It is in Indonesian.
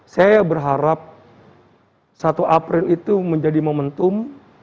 saya berharap satu april itu menjadi momentum